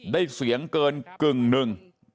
ได้เสียงเกินกึ่งหนึ่ง